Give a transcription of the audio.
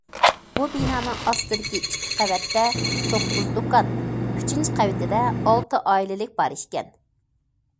بۇ بىنانىڭ ئاستىدىكى ئىككى قەۋەتتە توققۇز دۇكان، ئۈچىنچى قەۋىتىدە ئالتە ئائىلىلىك بار ئىكەن.